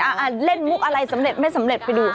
อ่ะเล่นมุกอะไรสำเร็จไม่สำเร็จไปดู